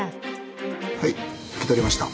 はい受け取りました。